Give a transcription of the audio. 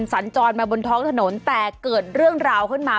สัญจรมาบนท้องถนนแต่เกิดเรื่องราวขึ้นมา